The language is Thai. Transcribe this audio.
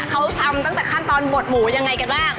เขาทำตั้งแต่ขั้นตอนบดหมูยังไงกันบ้าง